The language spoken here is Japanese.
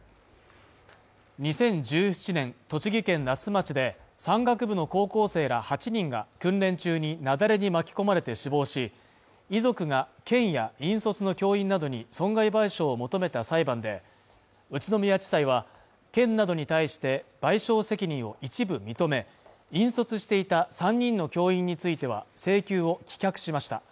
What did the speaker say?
２０１７年栃木県那須町で、山岳部の高校生ら８人が訓練中に雪崩に巻き込まれて死亡し、遺族が県や引率の教員などに損害賠償を求めた裁判で、宇都宮地裁は、県などに対して賠償責任を一部認め、引率していた３人の教員については、請求を棄却しました。